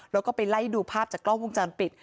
แล้วก็ไปไล่ดูภาพจากกล้องวงจรปิด